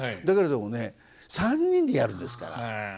だけれどもね３人でやるんですから。